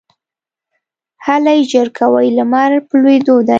هلئ ژر کوئ ! لمر په لوېدو دی